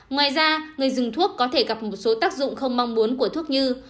ngoài ra người dùng thuốc có thể gặp một số tác dụng không mong muốn của thuốc như